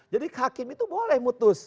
jadi hakim itu boleh mutus